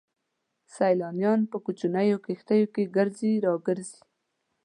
سيلانيان په کوچنيو کښتيو کې ګرځي را ګرځي.